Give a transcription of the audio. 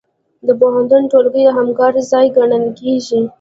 د پوهنتون ټولګي د همکارۍ ځای ګڼل کېږي.